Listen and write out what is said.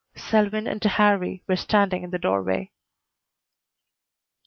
Selwyn and Harrie were standing in the doorway.